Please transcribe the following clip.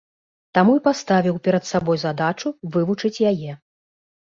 Таму і паставіў перад сабой задачу вывучыць яе.